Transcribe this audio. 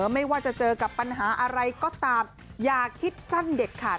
ไม่ว่าจะเจอกับปัญหาอะไรก็ตามอย่าคิดสั้นเด็ดขาด